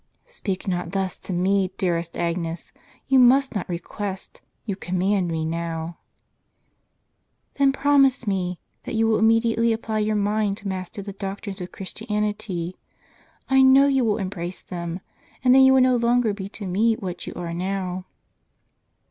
" Speak not thus to me, dearest Agnes ; you must not request; you command me now." " Then pi'omise me, that you will immediately apply your mind to master the doctrines of Christianity. I know you *" Incessu patuit Dea, will embrace them; and then you will no longer be to me what you are now."